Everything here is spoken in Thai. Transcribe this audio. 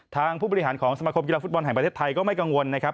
ผู้บริหารของสมาคมกีฬาฟุตบอลแห่งประเทศไทยก็ไม่กังวลนะครับ